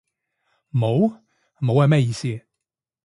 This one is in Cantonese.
冇？冇係咩意思？